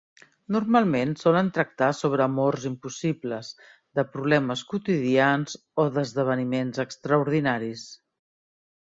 Normalment solen tractar sobre amors impossibles, de problemes quotidians o d'esdeveniments extraordinaris.